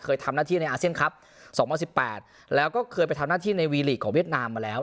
ทำหน้าที่ในอาเซียนครับ๒๐๑๘แล้วก็เคยไปทำหน้าที่ในวีลีกของเวียดนามมาแล้ว